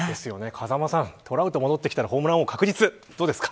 風間さん、トラウト戻ってきたらホームラン王確実。